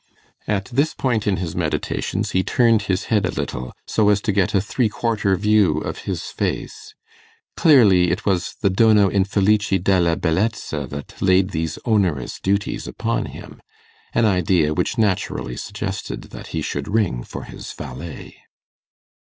At this point in his meditations he turned his head a little, so as to get a three quarter view of his face. Clearly it was the 'dono infelice della bellezza' that laid these onerous duties upon him an idea which naturally suggested that he should ring for his valet.